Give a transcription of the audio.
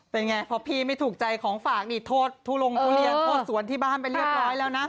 เป็นไงพอพี่ไม่ถูกใจของฝากนี่โทษทุลงทุเรียนโทษสวนที่บ้านไปเรียบร้อยแล้วนะ